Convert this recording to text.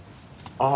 ああ。